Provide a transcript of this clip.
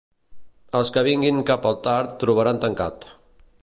Els que vinguin cap al tard trobaran tancat